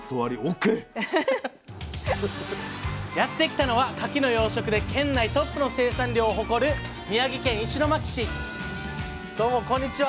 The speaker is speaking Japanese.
やって来たのはかきの養殖で県内トップの生産量を誇る宮城県石巻市どうもこんにちは。